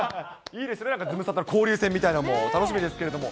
いいですね、なんかズムサタの交流戦みたいなのも、楽しみですけれども。